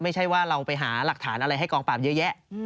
ไม่ใช่ว่าเราไปหาหลักฐานอะไรให้กองปราบเยอะแยะ